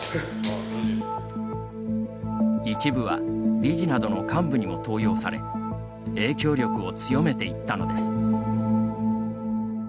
一部は理事などの幹部にも登用され影響力を強めていったのです。